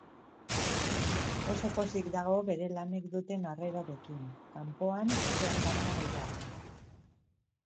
Oso pozik dago bere lanek duten harrerarekin, kanpoan etxean baina gehiago.